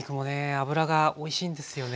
脂がおいしいんですよね。